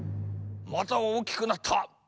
またおおきくなった！